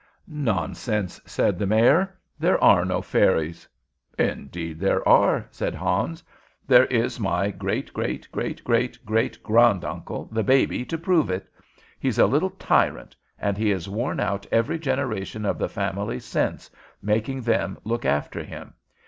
"Nonsense," said the Mayor. "There are no fairies." "Indeed, there are," said Hans. "There is my great great great great great granduncle, the baby, to prove it. He's a little tyrant, and he has worn out every generation of the family since, making them look after him.